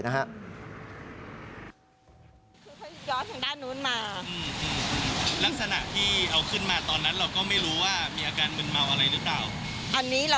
เราเป็นซักเมื่อกี้เกิดอุบัติไหลละ